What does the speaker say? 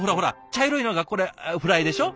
茶色いのがこれフライでしょ。